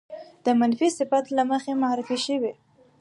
د منفي صفت له مخې معرفې شوې